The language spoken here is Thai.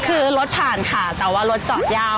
คือรถผ่านค่ะแต่ว่ารถจอดยาว